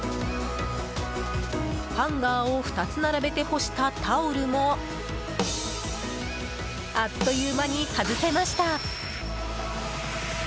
ハンガーを２つ並べて干したタオルもあっという間に外せました。